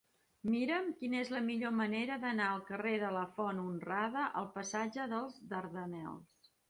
Mira'm quina és la millor manera d'anar del carrer de la Font Honrada al passatge dels Dardanels.